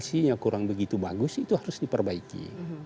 kondisinya kurang begitu bagus itu harus diperbaiki